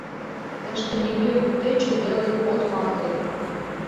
Тыште нигӧм, тӧчӧ веле, от малте.